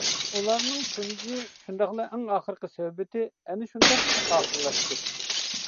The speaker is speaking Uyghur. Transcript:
ئۇلارنىڭ تۇنجى شۇنداقلا ئەڭ ئاخىرقى سۆھبىتى ئەنە شۇنداق ئاخىرلاشتى.